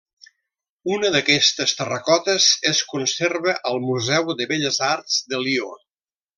Una d'aquestes terracotes es conserva al Museu de Belles Arts de Lió.